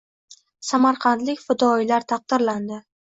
Samarqandlik fidoyilar taqdirlandi